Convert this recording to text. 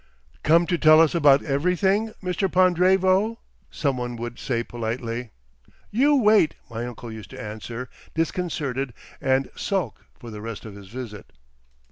"Come to tell us about everything, Mr. Pond'revo?" some one would say politely. "You wait," my uncle used to answer, disconcerted, and sulk for the rest of his visit.